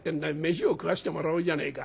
飯を食わせてもらおうじゃねえか。